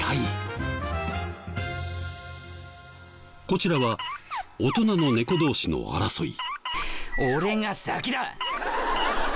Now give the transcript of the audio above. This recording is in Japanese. こちらは大人の猫同士の争い。